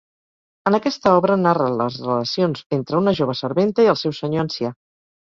En aquesta obra narra les relacions entre una jove serventa i el seu senyor ancià.